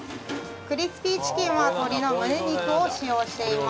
クリスピーチキンは鶏の胸肉を使用しています。